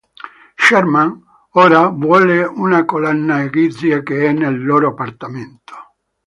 Sherman ora vuole una collana egizia che è nel loro appartamento.